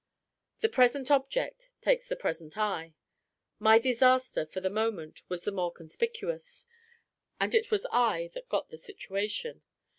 The present object takes the present eye. My disaster, for the moment, was the more conspicuous; and it was I that got the situation.